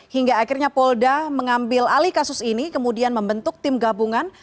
hingga akhirnya polda mengambil alih kasus ini kemudian membentuk tim gabungan